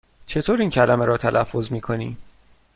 چطور این کلمه را تلفظ می کنی؟